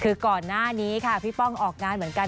คือก่อนหน้านี้ค่ะพี่ป้องออกงานเหมือนกัน